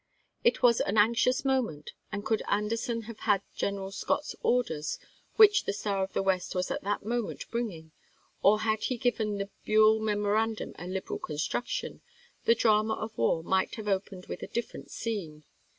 It was an anxious moment, and could Anderson have had General Scott's orders, which the Star of the West was at that moment bringing, or had he even given the Buell memoran dum a liberal construction, the drama of war might have opened with a different scene.